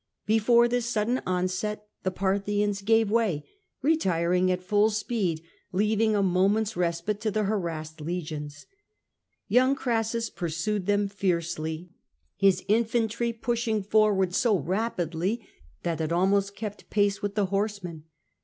Before this sudden onset the Parthians gave way, retiring at full speed, and leaving a moment's respite to the harrassed legions. Young Crassus pursued them fiercely, his in BATTLE OF OAERHAE 199 fantry pushing forward so rapidly that it almost kept pace with the horsemen.